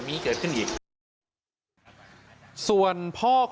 ส่งมาขอความช่วยเหลือจากเพื่อนครับ